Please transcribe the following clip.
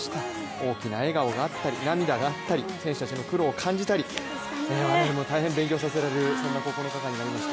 大きな笑顔があったり、涙があったり選手たちの苦労を感じたり我々も大変勉強させられるそんな９日間になりました。